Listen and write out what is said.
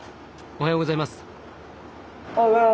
おはようございます。